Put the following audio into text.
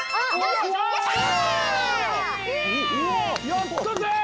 やったぜ！